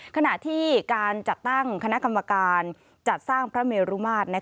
ขณะที่การจัดตั้งคณะกรรมการจัดสร้างพระเมรุมาตร